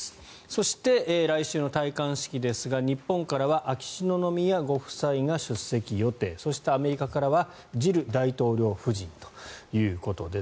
そして、来週の戴冠式ですが日本からは秋篠宮ご夫妻が出席予定そしてアメリカからはジル大統領夫人ということです。